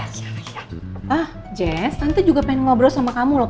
hah jess tante juga pengen ngobrol sama kamu loh